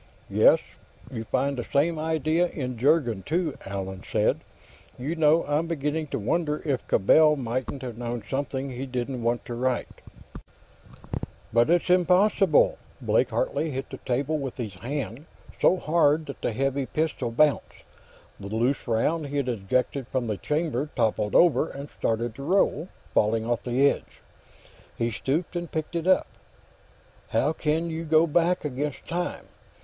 "Yes. You find the same idea in 'Jurgen' too," Allan said. "You know, I'm beginning to wonder if Cabell mightn't have known something he didn't want to write." "But it's impossible!" Blake Hartley hit the table with his hand, so hard that the heavy pistol bounced. The loose round he had ejected from the chamber toppled over and started to roll, falling off the edge. He stooped and picked it up. "How can you go back, against time?